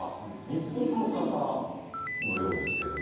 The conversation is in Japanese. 日本の方のようですけども。